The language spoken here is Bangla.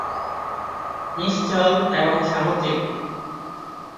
নিশ্চল এবং সামুদ্রিক।